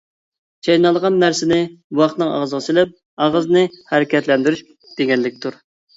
چاينالغان نەرسىنى بوۋاقنىڭ ئاغزىغا سېلىپ ئاغزىنى ھەرىكەتلەندۈرۈش دېگەنلىكتۇر.